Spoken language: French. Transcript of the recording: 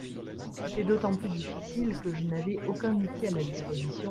C'était d'autant plus difficile que n'avais aucun outil à ma disposition.